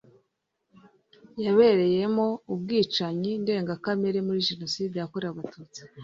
yabereyemo ubwicanyi ndengakamere muri Jenoside yakorewe Abatutsi